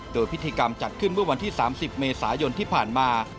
โดยพิธีกรรมจัดขึ้นเมื่อวันที่๓๐เมษายนที่ผ่านมา